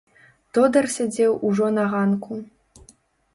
Тодар сядзеў ужо на ганку.